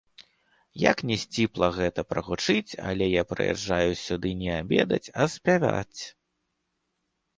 Як ні сціпла гэта прагучыць, але я прыязджаю сюды не абедаць, а спяваць.